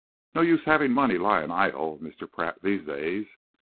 No use having money lying idle, Mr. Pratt, these days.